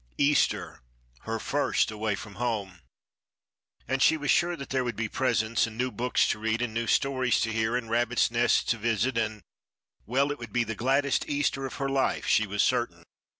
Easter—her first away from home! And she was sure that there would be presents, and new books to read, and new stories to hear, and rabbits' nests to visit, and—well, it would be the gladdest Easter of her life, she was certain.